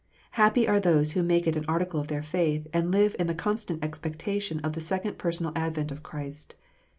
Happy are those who make it an article of their faith, and live in the constant expectation of a second personal advent of Christ.